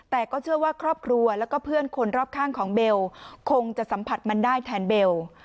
แต่ก็เชื่อว่าครอบครัวแล้วก็เพื่อนคนรอบข้างของเบลคงจะสัมผัสมันได้แทนเบล